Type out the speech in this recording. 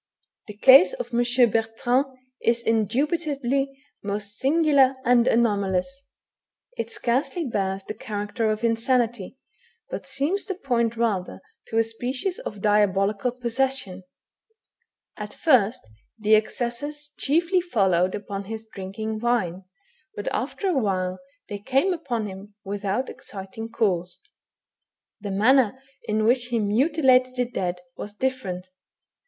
The case of M. Bertrand is indubitably most singular and anomalous; it scarcely bears the character of insanity, but seems to point rather to a species of diabolical possession. At first the accesses chiefly followed upon his drinking wine, but after a while they came upon him without exciting cause. The manner in which he mutilated the dead was difierent.